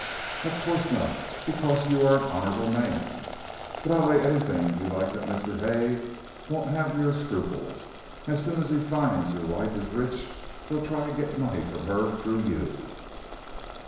"Of course not, because you are an honorable man. But I'll lay anything you like that Mr. Hay won't have your scruples, and as soon as he finds your wife is rich he'll try and get money from her through you."